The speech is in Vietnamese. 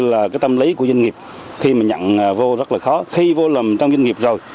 là cái tâm lý của doanh nghiệp khi mà nhận vô rất là khó khi vô làm trong doanh nghiệp rồi